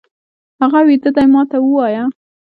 هغه ويده دی، ما ته ووايه!